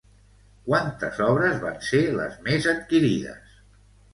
Quantes obres van ser les més adquirides?